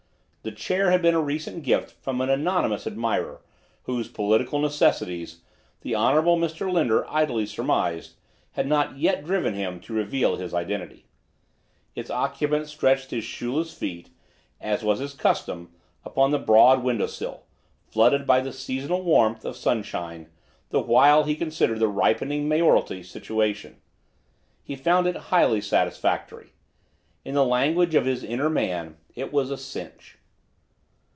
The chair had been a recent gift from an anonymous admirer whose political necessities, the Honorable Mr. Linder idly surmised, had not yet driven him to reveal his identity. Its occupant stretched his shoeless feet, as was his custom, upon the broad window sill, flooded by the seasonable warmth of sunshine, the while he considered the ripening mayoralty situation. He found it highly satisfactory. In the language of his inner man, it was a cinch.